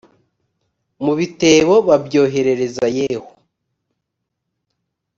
mu bitebo babyoherereza yehu